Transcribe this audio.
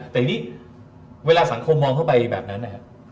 แต่ทีนี้เวลาสังคมมองเข้าไปแบบนั้นนะครับ